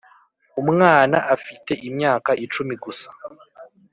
umwana afite imyaka icumi gusa